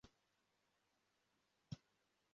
Imbwa ebyiri zijimye zirwana kandi ziruma